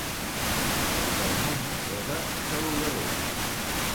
Els del Mont de Roda, saludadors.